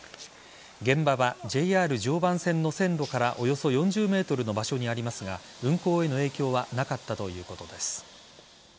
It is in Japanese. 現場はＪＲ常磐線の線路からおよそ４０ｍの場所にありますが運行への影響はなかったということです。